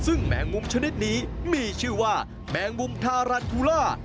ซึ่งแมงมุมชนิดนี้มีชื่อว่าแมงมุมทาราทูล่า